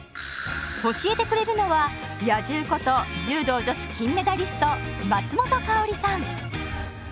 教えてくれるのは「野獣」こと柔道女子金メダリスト松本薫さん。